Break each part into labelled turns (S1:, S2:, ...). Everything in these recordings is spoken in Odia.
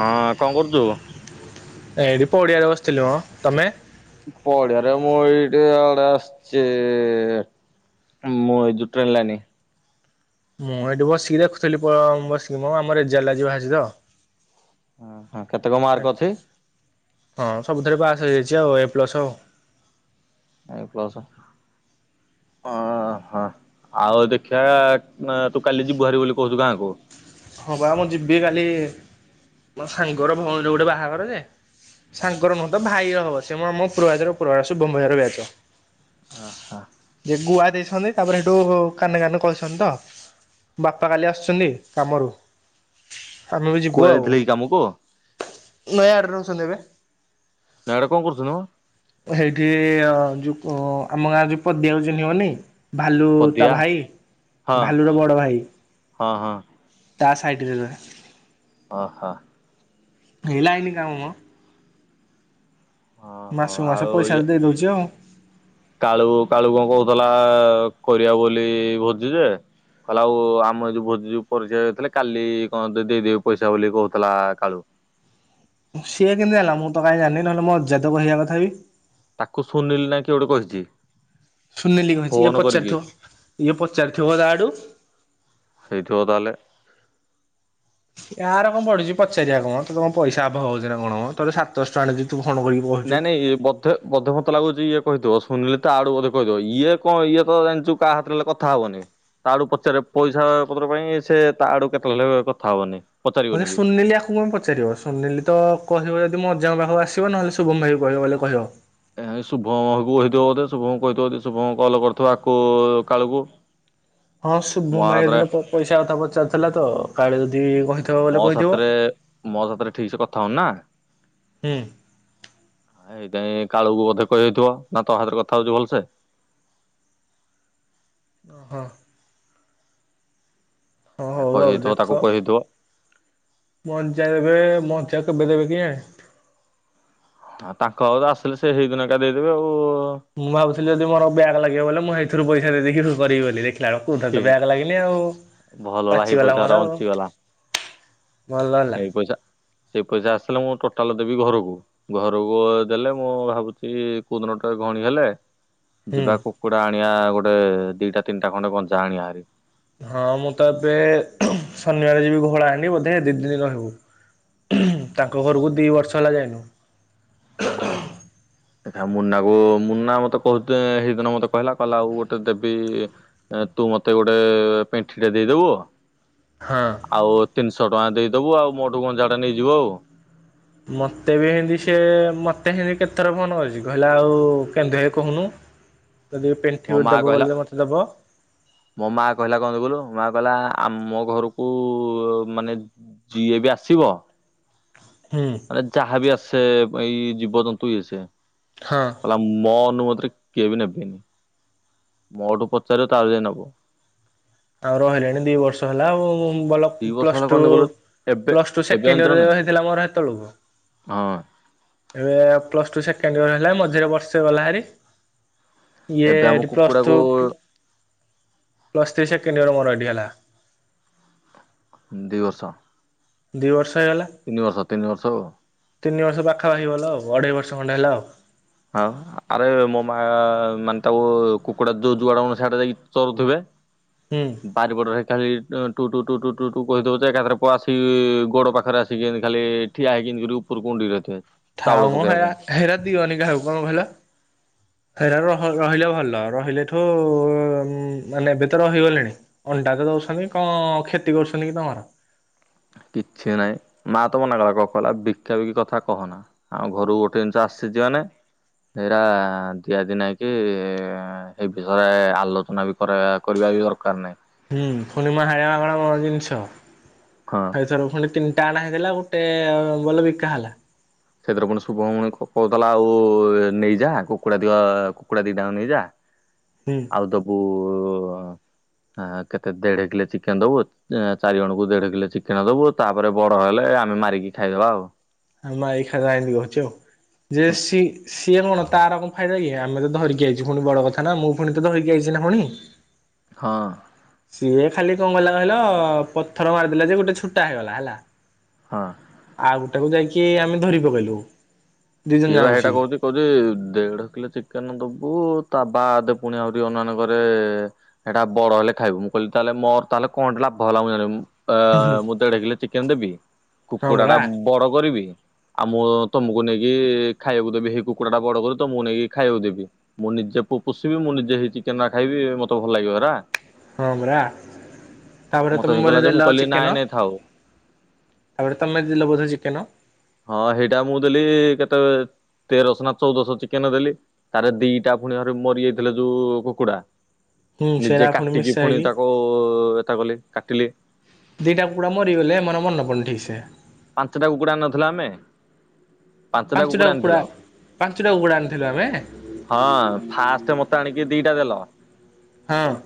S1: ହଁ କଣ କରୁଚୁ?
S2: ଏଇଟି ପଡ଼ିଆରେ ବସିଥିଲି ମ, ତମେ?
S1: ପଡିଆରେ, ମୁଁ ଏଇଟି ଇଆଡ଼େ ଆସଚି। ମୁଁ ଏ ଯୋଉ ଟ୍ରେନ୍ ଲାଇନ।
S2: ମୁଁ ଏଇଠି ବସିକି ଦେଖୁଥିଲି ପ ବସିକି ମ ଆମ ରେଜଲ୍ଟ ଆଜି ବାହାରିଚି ତ।
S1: ହଁ ହଁ କେତେ କଣ
S2: [unintelligible]
S1: ମାର୍କ ଅଛି
S2: ହଁ ସବୁଥିରେ ପାସ୍ ହେଇଯାଇଚି ଆଉ ଏ ପ୍ଲସ ଆଉ।
S1: ଏ ପ୍ଲସ୍, ହଁ, ହଁ। ଆଉ ଦେଖିଆ ଅଁ ତୁ କାଲି ଯିବୁ ହାରି ବୋଲି କହୁଚୁ ଗାଁକୁ।
S2: ହଁ ପା ମୁଁ ଯିବି କାଲି ମୋ ସାଙ୍ଗର ଭଉଣୀର ଗୋଟେ ବାହାଘର ଯେ। ସାଙ୍ଗର ନୁହଁ ତ ଭାଇର ହବ, ସେ ମୋର ମୋ ପ୍ରୟାଜର ପ୍ରୟା ଶୁଭମ୍ ଭାଇ ହର ବ୍ୟାଚ୍।
S1: ଅ, ହ।
S2: ଯେ ଗୁଆ ଦେଇଛନ୍ତି ତାପରେ ହେଟୁ କାନେ କାନେ କହିଛନ୍ତି ତ। ବାପା କାଲି ଆସୁଛନ୍ତି କାମରୁ। ଆମେ ବି ଯିବୁ
S1: କୁଆଡେ
S2: ଆଉ,
S1: ଯାଇଥିଲେ କି କାମକୁ
S2: ନୟାଗଡ଼ରେ ରହୁଛନ୍ତି ଏବେ।
S1: ସିଆଡ଼େ କଣ କରୁଚନ୍ତି ମ?
S2: ହେଇଠି ଅ ଯୋଉ ଆମ ଗାଁ ଯୋଉ ପଦିଆ କୁ ଚିଁହିବନି ଭାଲୁ ତା
S1: ପଦିଆ
S2: ଭାଇ
S1: ହଁ
S2: ଭାଲୁର ବଡ଼ ଭାଇ।
S1: ହଁ ହଁ।
S2: ତା ସାଇଡି ରେ ରହେ।
S1: ଅ ହ।
S2: ହେଇ ଲାଇନ କାମ ମ।
S1: ଓହୋ
S2: ମାସକୁ ମାସ
S1: ଆଉ
S2: ପଇସା
S1: ଇଏ
S2: ଦେଇ ଦଉଚି ଆଉ।
S1: କାଳୁ କାଳୁ କଣ କହୁଥଲା କରିଆ ବୋଲି ଭୋଜି ଯେ କହିଲା ଆଉ ଆମ ଯୋଉ ଭୋଜି ଯୋଉ [unintelligible] ହେଇଥିଲେ କାଲି କଣ ଦେଇଦେବି ପଇସା ବୋଲି କହୁଥିଲା କାଳୁ।
S2: ସିଏ କେମନ୍ତି ଜାଣିଲା ମୁଁ ତ କାହିଁ ଜାଣିନି ନହେଲେ ମ ଅଜାତ କହିବା କଥା ବିି
S1: ତାକୁ ଶୁନିଲି ନା କି ଗୋଟେ କହିଛି।
S2: ସୁନିଲିି କହିଛି ଇଏ
S1: ଫୋନ କରିକି
S2: ପଚାରୁଥିବ ଇଏ ପଚାରିଥିବ ଆଡୁ
S1: ହେଇଥିବ ତାହେଲେ।
S2: କା ର କଣ ପଢୁଛି ପଚାରିିବା କଣ ତମ ପଇସା ଅଭାବ ହଉଛି ନା କଣ ମ ତୋର ସାତଶ [unintelligible] କରିବୁ
S1: ନାଇଁ ନାଇଁ ଇଏ ବ ତେ ମତେ ମତେ ଲାଗୁଚି ଇଏ କହିଥିବ ଶୁନିଲି ତାଆଡୁ ବଧେ କହିଥିବ ଇଏ କଣ ଇଏ ତ ଜାଣିଛୁ କା ହାତ [unintelligible] କଥା ହବନି। ତା ଆଡୁ ପଚାରେ ପଇସା ପତ୍ର ପାଇଁ ସେ ତା ଆଡୁ କେତେବେଳେ କଥା ହବନି। ପଚାରିବନି
S2: ବଧେ
S1: ବି।
S2: ସୁୁନିଲି ଆକୁ କଣ ପଚାରିବ ସୁ ସୁନିଲି ତ କହିବ ଯଦି ମୋ ଅଜାଙ୍କ ପାଖକୁ ଆସିବ ନହେଲେ ଶୁଭମ ଭାଇକୁ କହିବ ବୋଲେ କହିବ।
S1: ଏ ଶୁଭମକୁ କହିଥିବ ବୋଧେ ଶୁଭମଙ୍କୁ କହିଥିବ ଯଦି ଶୁଭମଙ୍କ କଲ୍ କରିଥିବ ଆକୁ କାଳୁକୁ।
S2: ହଁ ଶୁଭୁମ
S1: ମୋ
S2: ଭାଇ ହେ
S1: ହାତରେ
S2: ଦିନ ପ ପଇସା କଥା ପଚାରୁ ଥିଲା ତ କାଳେ ଯଦି କହି
S1: ମୋ ସାଥିରେ ମୋ ସାଥିରେ ଠିକ ସେ କଥା ହଉନି ନା।
S2: ହୁଁ
S1: ଆ ହେଇଥିପାଇଁ କାଳୁକୁ ବୋଧେ କହିଦେଇଥିବ ନା ତୋ ହାତରେ କଥା ହଉଛି ଭଲସେ।
S2: ଓହୋ ହଁ
S1: ଏ
S2: ହଉ ଆଉ
S1: କହିଦେଇଥିବ ତାକୁ
S2: ଦେଖ।
S1: କହିଦେଇଥିବ
S2: ମଞ୍ଚା ଦେବେ ମଞ୍ଚା କେବେ ଦେବେ କି ଆଁ?
S1: ଆଉ ତାଙ୍କ ଆଉ ଆସିଲେ ସେ ହେଇ ଦିନଟା ଦେଇଦେବେ ଆଉ।
S2: ମୁଁ ଭାବୁଥିଲି ଯଦି ମୋର [unintelligible] ଲାଗିବ ବୋଲେ ମୁଁ ହେଇଥିରୁ ପଇସା ଦେଇ ଦେଇକି କରିବି ବୋଲି ଦେ ତାର କଉଥରେ
S1: ହେ
S2: ତ ବ୍ୟାଗ ଲାଗିନି ଆଉ
S1: ଭଲ ହେଲା ହେଇ
S2: ପାଚିଗଲା
S1: ପଇସା ଗୁରା
S2: ମୋର ଆଉ।
S1: ବଞ୍ଚିଗଲା
S2: ଭଲ ହେଲା।
S1: ହେଇ ପଇସା ସେଇ ପଇସା ଆସିଲେ ମୁଁ ଟୋଟାଲ ଦେବି ଘରକୁ। ଘରକୁ ଦେଲେ ମୁଁ ଭାବୁଚି କୋଉଦିନଟା ଘଣୀ ହେଲେ।
S2: ହୁଁ।
S1: ଯିବା କୁକୁଡ଼ା ଆଣିବା ଗୋଟେ ଦିଟା ତିନିଟା ଖଣ୍ଡେ ଗଞ୍ଚା ଆଣିବା ହାରି।
S2: ହଁ ମୁଁ ତ ଏବେ ଶନିବାରେ ଯିବି ଘୋଡ଼ା ଆଣିବି ବୋଧେ ଦି ଦିନି ରହିବୁ। ତାଙ୍କ ଘରକୁ ଦି ବର୍ଷ ହେଲା ଯାଇନୁ।
S1: [unintelligible] ମୁନା କୁ ମୁନା ମତେ କହୁଥେ ହେଇଦିନ ମତେ କହିଲା କହିଲା ଆଉ ଗୋଟେ ଦେବି ତୁ ମତେ ଗୋଟେ ପେଣ୍ଠି ଟେ ଦେଇଦବୁ।
S2: ହଁ।
S1: ଆଉ ତିନିଶ ଟଙ୍କା ଦେଇଦବୁ ଆଉ ମୋଠୁ ଗଞ୍ଜା ଟେ ନେଇଯିବ ଆଉ।
S2: ମତେ ବି ହିନ୍ଦୀ ସେ ମତେ ହିନ୍ଦୀ କେତେଥର ଫୋନ କରିଚି କହିଲା ଆଉ [unintelligible] କହୁନୁ। ଯଦି
S1: ମୋ
S2: ପେଣ୍ଠି
S1: ମା
S2: ଦବ
S1: କହିଲା
S2: ବଲେ ଦ ମତେ ଦବ।
S1: ମୋ ମା କହିଲା କଣ [unintelligible] ମା କହିଲା ଆମ ଘରକୁ ମାନେ ଜିଏବି ଆସିବ
S2: ହୁଁ।
S1: ଏ ଯାହା ବି ଆସେ ଏଇ ଜୀବ ଜନ୍ତୁ ଇଏ ସିଏ
S2: ହଁ।
S1: ହେଲା ମୋ ଅନୁମତିରେ କିଏ ବି ନେବେନି ମୋଠୁ ପଚାରିବ ତାର ଯାଇ ନବ।
S2: ଆଉ ରହିଲେଣି ଦି ବର୍ଷ ହେଲା ଆଉ। ମୁଁ ଭଲ
S1: ଦି ବର୍ଷ ହେଲା
S2: ପ୍ଲସ ଟୁ
S1: କଣ କହିଲୁ ଏବେ
S2: ପ୍ଲସ ଟୁ
S1: ଏବେ ଜାଣିଛୁ ନା
S2: ସେକେଣ୍ଡଇଅର
S1: ନାଇଁ
S2: ହେଇଥିଲା ମୋର ହେତବେଳକୁ
S1: ହଁ।
S2: ଏବେ ପ୍ଲସ ଟୁ ସେକେଣ୍ଡ ଇୟର ହେଲା ମଝିରେ ବର୍ଷେ ଗଲା ହାରି ଇଏ
S1: ଏବେ ଆମ
S2: ଏଠି ପ୍ଲସ୍
S1: କୁକୁଡାକୁ
S2: ଟୁ [unintelligible] ସେକେଣ୍ଡଇଅର ମୋର ଏଇଡି ହେଲା।
S1: ହୁଁ ଦି ବର୍ଷ।
S2: ଦି ବର୍ଷ ହେଇଗଲା
S1: ତିନ ବର୍ଷ ତିନ ବର୍ଷ ହଉ।
S2: ତିନି ବର୍ଷ ପାଖାପାଖି ହେଇଗଲା ଆଉ ଅଢେଇ ବର୍ଷ ଖଣ୍ଡେ ହେଲା ଆଉ।
S1: ହଁ ଆରେ ମୋ ମା ମାନେ ତାକୁ କୁକୁଡ଼ା ଯୋଉ ଯୁଆଡେ ମନ ସେଇଆଡେ ଯାଇକି ଚରୁଥିବେ [inaudible]
S2: ହୁଁ।
S1: ବାରିପଟରେ ଖାଲି ଟୁ ଟୁ ଟୁ ଟୁ ଟୁ କହିଦେବ ଯେ ଏକାଥରେ ପ ଆସ ଗୋଡ଼ ପାଖରେ ଆସିକି ଏମିତି ଖାଲି ଠିଆ ହେଇକିନି କରି ଉପର ଉଣ୍ଡଡି କି ରହିଥିବେ। ଚାଉଳ
S2: ଥାଉ ମଁ
S1: ପକେଇବା
S2: ହେଇରା
S1: ପାଇଁ
S2: ହେଇରା ଦିଅନି କାହାକୁ କଣ କହିଲ ହେରା ରହ ରହିଲା ଭଲ ରହିଲେଠୁ ମାନେ ଏବେ ତ ରହିଗଲେଣି। ଅଣ୍ଡା ତ ଦଉଛନ୍ତି କଣ କ୍ଷତି କରୁଛନ୍ତି କି ତମର।
S1: କିଛି ନାହିଁ ମା ତ ମନା କଲା କ କହଲା ବିକ୍ଷାବିକ୍ କଥା କହନା। ଆଉ ଘରୁକୁ ଗୋଟେ ଜିନିଷ ଆସିଛି ଯିବ ମାନେ ଏଇରା ଦିଆଦି ନାହିଁ କି ଏ ବିଷୟରେ ଆଲୋଚନା ବି କରେଇବା କରିବା ବି ଦରକାର ନାହିଁ।
S2: ହୁଁ ଫୁଣି [unintelligible] ଜିନିଷ।
S1: ହଁ।
S2: [unintelligible] ଖଣ୍ଡେ ତିନିଟା ଅଣହେଇଥିଲା ଗୋଟେ ବଲ ବିକା ହେଲା।
S1: ସେଥିରେ ପୁଣି ଶୁଭମଣି କହୁଥିଲା ଆଉ ନେଇଯା କୁକୁଡ଼ା ଦ କୁକୁଡ଼ା ଦିଇଟା ନେଇଯା।
S2: ହୁଁ।
S1: ଆଉ ଦେବୁ ଉ ଆଁ କେତେ ଦେଢ କିଲେ ଚିକେନ ଦବୁ ଚାରି ଜଣଙ୍କୁ ଦେଢ କିଲେ ଚିକେନ ଦବୁ ତାପରେ ବଡ ହେଲେ ଆମେ ମାରିକି ଖାଇଦବା ଆଉ।
S2: ଆ ମାରି ଖାଇଦେବା ଏମିତି କହୁଛି ଆଉ ଯେ ସିଏ ସିଏ କଣ ତାର କ ଫାଇଦା କି ଆମେ ତ ଧରିକି ଆଇଚୁ ଫୁଣି ବଡ କଥା ନା ମୁଁ ଫୁଣି ତ ଧରିକି ଆଇଛିନା ଫୁଣି।
S1: ହଁ।
S2: ସିଏ ଖାଲି କଣ କହିଲା କହିଲ ପଥର ମାରିଦେଲା ଯେ ଗୋଟେ ଛୋଟା ହେଇଗଲା ହେଲା।
S1: ହଁ।
S2: ଆଉ ଗୋଟାକୁ ଯାଇକି ଆମେ ଧରି ପକେଇଲୁ। ଦି ଜଣ
S1: ସିଏ
S2: ଯାକ
S1: ବା ହେଇଟା
S2: ମିଶିକି
S1: କହୁଚି କହୁଜି ଦେଢ କିଲୋ ଚିକେନ ଦବୁ ତା ବାଦ ପୁଣି ଆହୁରି ଅନୁମାନ କରେ ହେଟା ବଡ ହେଲେ ଖାଇବୁ ମୁଁ କହିଲି ତାହେ ମୋର ତାହେଲେ କଣ ଲାଭ ହେଲା ମୁଁ ଜାଣି ଅ ମୁଁ ଦେଢ଼କିଲେ ଚିକେନ ଦେବି
S2: ହଁ
S1: କୁକୁଡା ଡା
S2: ପରା।
S1: ବଡ କରିବି ଆଉ ମୁଁ ତମକୁ ନେଇ କି ଖାଇବାକୁ ଦେବି ହେଇ କୁକୁଡ଼ା ଟା ବଡ କରି ତ ମୁଁ ନେଇକି ଖାଇବାକୁ ଦେବି। ମୁଁ ନିଜେ ପୋ ପୋଷିବି ମୁଁ ନିଜେ ହେଇ ଚିକେନ ଆ ଖାଇବି ମତେ ଭଲ୍ ଲାଗିବ ହେରା।
S2: ହଁ ପରା ତାପରେ
S1: ମତେ
S2: ତମେ
S1: ଯାଇଁ
S2: ବୋଧେ
S1: କଇଲା ଯେ
S2: ଦେଲ
S1: ମୁଁ କଇଲି ନାଇଁ ନାଇଁ ଥାଉ।
S2: ତାପଡେ ତମେ ଦିିଲ ବୋଧେ ଚିକେନ।
S1: ହଁ ହେଇଟା ମୁଁ ଦେଲି କେତେ ତେରଶ ନା ଚଉଦଶ ଚିକେନ ଦେଲି। ତାରେ ଦିଟା ପୁଣି ଘରେ ମରି ଯାଇଥିଲେ ଯୋଉ କୁକୁଡା।
S2: ହୁଁ ସେରା
S1: ନିଜେ
S2: ପୁଣି
S1: କାଟିକି
S2: ମିଶା
S1: ଫୁଣି
S2: ହେଇକି
S1: ତାକୁ ଏତା କଲି କାଟିଲି।
S2: ଦିଟା କୁକୁଡ଼ା ମରିଗଲେ ମୋର ମନ ପଡୁନି ଠିକ୍ ସେ।
S1: ପାଞ୍ଚେଟା କୁକୁଡ଼ା ଆନ୍ ନଥିଲେ ଆମେ। ପାଞ୍ଚଟା
S2: ପାଞ୍ଚେଟା
S1: କୁକୁଡା ଆଣିଥିଲ
S2: କୁକୁଡ଼ା ପାଞ୍ଚେଟା କୁକୁଡ଼ା ଆଣିଥିଲୁ ଆମେ।
S1: ହଁଅଁ, ଫାଷ୍ଟେ ମତେ ଆଣିକି ଦିଟା ଦେଲ।
S2: ହଁଅଁ।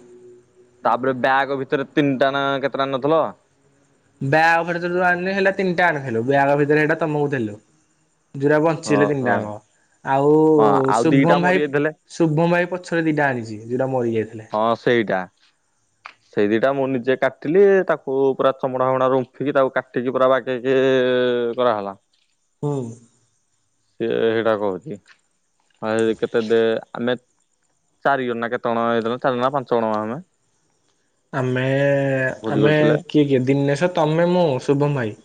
S1: ତାପେରେ ବ୍ୟାଗ୍ ଭିତେରେ ତିନଟା କେତେ ଟା ଆଣ୍ ନଥେଲ।
S2: ବ୍ୟାଗ୍ ଭିତୁରୁ ଆଣିଲି ହେଲେ ତିନଟା ଆଣିଥିଲୁ ବ୍ୟାଗ୍ ଭିତରେ ହେଟା ତମୁକୁ ଦେଲୁ। ଝୁରା ବଞ୍ଚିଲେ ତିନଟା
S1: ଓହୋ।
S2: ଆଙ୍କ ଆଉ
S1: ହଁ
S2: ଉ
S1: ଆଉ ଦିଟା
S2: ଶୁଭମ୍ ଭାଇ
S1: ମରିଯାଇଥିଲେ
S2: ଶୁଭମ୍ ଭାଇ ପଛରେ ଦିଟା ଆଣିଚି ଯୁରା ମରି ଯାଇଥିଲେ।
S1: ହଁ ସେଇଟା। ସେଇ ଦିଟା ମୁଁ ନିଜେ କାଟିଲି। ତାକୁ ପୁରା ଥୋମଣା ହୋମଣା ରୁମ୍ଫିକି ତାକୁ କାଟିକି ପୁରା ବା ସେଯେ କରାହେଲା।
S2: ଓଃ।
S1: ସିଏ ହେଇଟା କୋହୁଚି, ଆ ଏ କେତେ ଦେ ଆମେ ଚାରିଗନ ନା କେତଗଣ ଆଇଥେଲ ଚାରନା ପାଞ୍ଚଜଣ ଆମେ।
S2: ଆମେ
S1: ଭୋଜି
S2: ଆମେ
S1: କରିଥିଲେ।
S2: କିଏ କିଏ ଦିନେଶ ତମେ ମୁଁ ଶୁଭମ୍ ଭାଇ।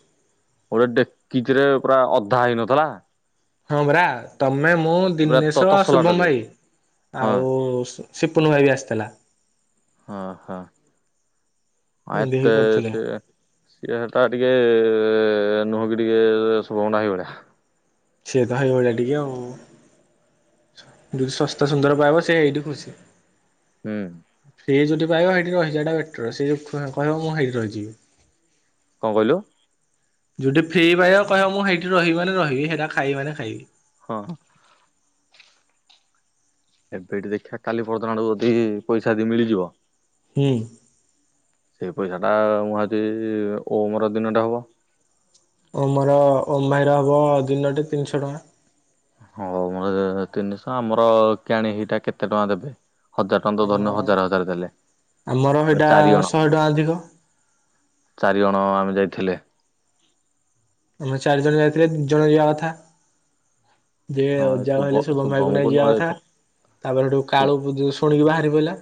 S1: ଗୋଟେ ଡେକିଚିରେ ପୁରା ଅଧା ହେଇନଥେଲା।
S2: ହଁ ବରା ତମେ ମୁଁ
S1: ଏ ପୁରା ତ
S2: ଦିନେଶ,
S1: ତସଲା ଟା
S2: ଶୁଭମ
S1: ଯୋଉ
S2: ଭାଇ
S1: ହଁ।
S2: ଆଉ ସିପୁନୁ ଭାଇ ବି ଆସଥେଲା।
S1: ହଁ ହଁ। ଆଏ
S2: ଏମିତି
S1: ତେ
S2: ହେଇକି କରିଥିଲେ।
S1: ସିଏ ଟିକେ ହେଟା ଟିକେ ଏ ଏ ନୁହଁକି ଟିକେ ଶୁଭମ୍ ନାଇଁ ଭଳିଆ।
S2: ସିଏ ତ ହେଇ ଭଳିଆ ଟିକେ ଆଉ। ଯେଦି ଶସ୍ତା ସୁନ୍ଦର ପାଇବ ସେ ଏଇଠି ଖୁସି।
S1: ହୁଁଉଁ।
S2: ସିଏ ଯୋଉଠି ପାଇବା ହେଠି ରହି ଯିବାଟା ବେଟର ସିଏ ଯୋଉ କହି କହିବ ମୁଁ ହେଇଟି ରହିଯିବି।
S1: କଁ କଇଲୁ?
S2: ଯୋଉଠି ଫ୍ରି ପାଇଆ କହିଅ ମୁଁ ହେଇଠି ରିହିବି ମାନେ ରହିବି ହେଟା ଖାଇବି ମାନେ ଖାଇବି।
S1: ହଁ। ଏବେ ଏଠି ଦେଖିଆ କାଲି ପର୍ଦିନ ଆଡୁକୁ ଅଦି ପଇସା ଏଦି ମିଳିଯିବ।
S2: ହୁଁଉଁ।
S1: ସେଇ ପଇସାଟା ମୁଁ ଆଜି ଓମର ଦିନଟା ହବ।
S2: ଓମ୍ ର ଓମ ଭାଇର ହବ ଦିନଟେ ତିନଶ ଟଙ୍କା।
S1: ହୋଉ ମୁଁ ଦେଇ ଥିଲି ତିନିଶ। ମୋର କିଆଣି ହେଇଟା କେତେ ଟଙ୍କା ଦେବେ? ହଜାର୍ ଟଙ୍କା ତ
S2: ଆମ
S1: ଧରିନିଅ ହଜାର ହଜାରେ ଦେଲେ।
S2: ଆମର ସେଇଟା
S1: ଚାରି ଜଣ
S2: ଶହେ ଟଙ୍କା ଅଧିକ।
S1: ଚାରିଜଣ ଆମେ ଯାଇଥିଲେ।
S2: ଆମେ ଚାରି ଜଣ ଯାଇଥିଲେ, ଦି ଜଣ ଯିବା କଥା। ଯିଏ
S1: ହଁ
S2: ଅଜା
S1: ଶୁଭ
S2: କହିଲେ ଶଭମ୍ ଭାଇ କୁ ନେଇ
S1: ଶୁଭମକୁ ନ
S2: ଯିବା କଥା,
S1: ଯାଇଥିଲେ
S2: ତାପରେ ହେଠୁ କାଳୁ [unintelligible] ଶୁଣିକି ଭାଆରି ପଇଲା।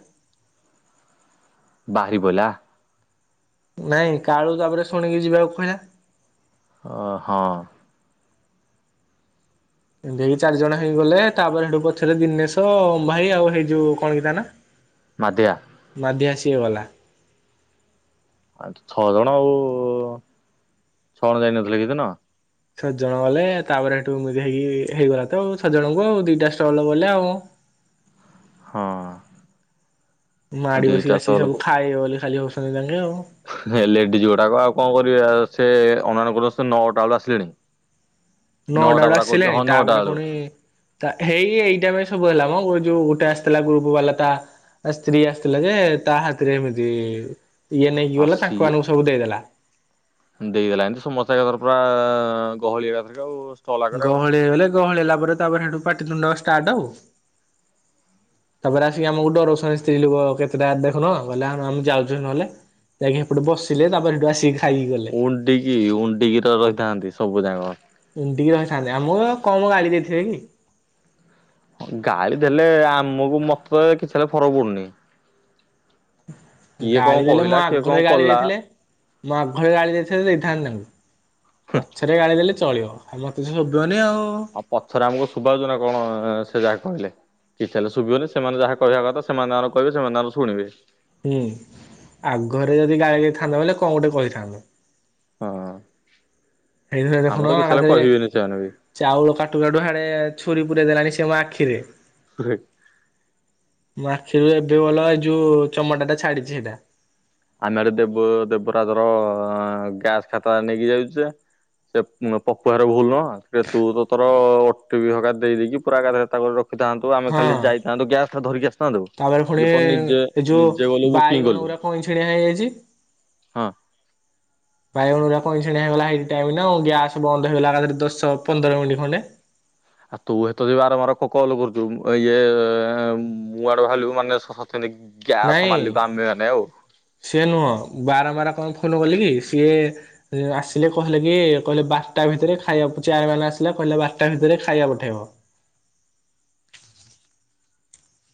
S1: ବାହାରି ପଇଲା।
S2: ନାଇଁ କାଳୁ ତାପରେ ଶୁଣିକି ଯିବାକୁ କହିଲା।
S1: ଅ ହଁ।
S2: ଦି ଚାରିଜଣ ହେଇଗଲେ ତାପରେ ସେଠୁ ପଛରେ ଦିନେଶ ଅମ୍ଭାଇ ଆଉ ହେଇ ଯୋଉ କଣ କି ତା ନା?
S1: ମାଧିଆ।
S2: ମାଧି ଆ ସିଏ ଗଲା।
S1: ଆ ଛ ଜଣ ଆଉ ଛଅ ଜଣ ଯାଇନଥିଲେ କି ହେ ଦିନ।
S2: ଛଅ ଜଣ ଗଲେ ତାପରେ ହେଠୁ ଯାଇକି ହେଇକି ହେଇଗଲା ତ ଆଉ ଛ ଜଣଙ୍କୁ ଆଉ ଦିଟା ଷ୍ଟଲ ଗଲେ ଆଉ।
S1: ହଁ।
S2: ମାଡି
S1: ଦିଟା
S2: ବସିକି ଆସି ସବୁ ଖାଏ ବୋଲି ଖାଲି ହଉଛନ୍ତି ତାଙ୍କେ ଆଉ।
S1: ଏ ଲେଡିଜି ଗୋଡ଼ାକ ଆଉ କଣ କରିବେ ସେ [unintelligible] ନଅଟା ବେଳୁ ଆସିଲେଣି। ନଅଟା
S2: ନଅଟାଟେ
S1: ପରା କହୁଛି
S2: ଆସିଲେଣି
S1: ହଁ ନଅଟା
S2: ତାପରେ
S1: ବେଳୁ
S2: ପୁଣି [unintelligible] ଏଇଟା ପାଇଁ ସବୁ ହେଲା ମ ଯୋଉ ଗୋଟେ ଆସିଥିଲା ଗ୍ରୁପ ବାଲା ତା ଆ ସ୍ତ୍ରୀ ଆସିଥିଲା ଯେ ତା ହାତରେ ଏମିତି ଇଏ ନେଇକି
S1: ହଁ
S2: ଗଲା ତାଙ୍କ
S1: ସିଏ
S2: ମାନଙ୍କୁ ସବୁ ଦେଇଦେଲା।
S1: ଦେଇଦେଲା ଏମିତି [unintelligible] ପୁରା ଗହଳି ଏକଥର ଆଉ। ଷ୍ଟଲ ଆଗରେ ଆଉ
S2: ଗହଳି ହେଇଗଲେ ଗହଳି ହେଲା ପରେ ତାପରେ ହେଟୁ ପାଟିିତୁଣ୍ଡ ଷ୍ଟାର୍ଟ ଆଉ। ତାପରେ ଆସିକି ଆମକୁ ଡରଉଛନ୍ତି ସ୍ତ୍ରୀ ଲୋକ କେତେଟା ଦେଖୁନ କହିଲେ ଆମେ ଆମେ ଯାଉଛୁ ନେହେଲେ। ଯାଇକି ହେପଟେ ବସିଲେ ତାପରେ ସେଠୁ ଆସିକି ଖାଇକି ଗଲେ।
S1: ଉଣ୍ଡିକି ଉଣ୍ଡିକି ର ରହିଥାନ୍ତି ସବୁ ଯାକ।
S2: ଏଣ୍ତିିକି ରହିଥାନ୍ତେ ଆମକୁ କମ ଗାଳି ଦେଇଥିବେ କି।
S1: ଗାଳି ଦେଲେ ଆମକୁ ମତେ କେତେବେଳେ ଫରକ ପଡୁନି। କିଏ କଣ
S2: ଗାଳି ଦେଲେ ମୋ
S1: କହିଲା କିଏ
S2: ଆଗରେ
S1: କଣ
S2: ଗାଳି
S1: କଲା
S2: ଦେଇଥିଲେ ମୋ ଆଗରେ ଗାଳି ଦେଇଥିଲେ ଦେଇଥାନ୍ତି ତାଙ୍କୁ। ପଛରେ ଗାଳି ଦେଲେ ଚଳିବ ଆଉ ମତେ ତ ଶୋଭିବନି ଆଉ।
S1: ଆଉ ପଛରେ ଆମକୁ ଶୁଭାଯାଉଚି ନା କଣ ସେ ଯାହା କହିଲେ। କିଛି ହେଲେ ଶୁଭିବନି ସେମାନେ ଯାହା କହିବା କଥା ସେମାନେ ଆଙ୍କର ଶୁଣିବେ।
S2: ହୁଁ ଆଗରେ ଯଦି ଗାଈ ଗ ଥାନ୍ତେ ବୋଇଲେ କଣ ଗୋଟେ କହିଥାନ୍ତେ।
S1: ହଁ
S2: ସେଇଥିରେ ଦେଖୁନ
S1: ଆମକୁ ତ କେତେବେଳେ
S2: ଏକାଥରେ
S1: କହିବେନି ସେମାନେ ବି
S2: ଚାଉଳ କାଟୁ କାଟୁ ହେଆଡେ ଛୁରୀ ପୁରେଇ ଦେଲାଣି ସେ ମୋ ଆଖିରେ।
S1: [unintelligible]
S2: ମୋ ଆଖିରୁ ଏବେ ଭଲ ଏଇ ଯୋଉ ଚମଡ଼ଟା ଛାଡିଛି ସେଇଟା।
S1: [unintelligible] ଦେବ ଦେବରାଜ ର ଗ୍ୟାସ ଖାତା ନେଇକି ଯାଉଛି ଯେ। ସେ ପପୁ ହାର ଭୁଲ ନୁହଁ ଟ ତୁ ତ ତୋର ଓଟି ବି ହକା ଦେଇେଇକି ପୁରା ଗାଧରେ ତା କରି ରଖିଥାନ୍ତୁ। ତ ଆମେ ଖାଲି
S2: ହଁ।
S1: ଯାଇଥାନ୍ତ ତ ଗ୍ୟାସ୍ ଟା ଧରିକି ଆସିଥାନ୍ତ
S2: ତାପରେ ପୁଣି
S1: ଇଏ ପ ନିଜେ ନିଜେ ଗଲୁ ବୁକିଂ କଲୁ।
S2: କଇଁ ଛିଡିଆ ହେଇଯାଇଛି।
S1: ହଁ।
S2: ବାଇଗଣ ଗୋରା କଇଛେଣିଆ ହେଗଲା ଟାଇଉ ଗ୍ୟାସ୍ ବନ୍ଦ ହେଇଗଲାରେ ଦଶ ପନ୍ଦର ମିନିଟ୍ ଖଣ୍ଡେ।
S1: ଆଉ ତୁ ଏତ ଯ ବାରମ୍ବାର କଲ୍ କରୁଛୁ ଏଇ ମୁଁ [unintelligible] ଭାବଲିବୁ ମାନେ ଗ୍ୟାସ୍
S2: ନାଇଁ
S1: ମାଲିକ ଆମେ ମାନେ ଆଉ।
S2: ସିଏ ନୁହଁ ବାରମ୍ବାର କଣ ଫୋନ କଲି କି ସିଏ ସେ ଆସିଲେ କହିଲେ କି କହିଲେ ବାରଟା ଭିତରେ ଖାଇବା ଚାରି ମାନେ ଆସିଲା କହିଲେ ବାରଟା ଭିତରେ ଖାଇବା ପଠେଇବ।